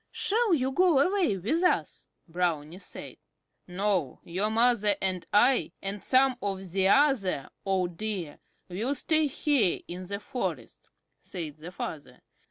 "Shall you go away with us?" Brownie said. "No, your mother and I, and some of the other old Deer will stay here in the forest," said the father.